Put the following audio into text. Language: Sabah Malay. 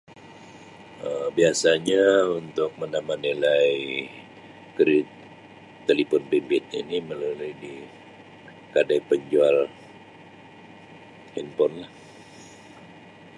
Um Biasanya untuk menambah nilai kridit telepon bimbit ini melalui di kadai penjual henpon lah.